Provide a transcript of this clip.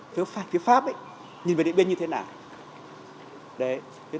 thứ pháp nhìn về điện biên như thế nào